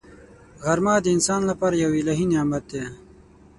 غرمه د انسان لپاره یو الهي نعمت دی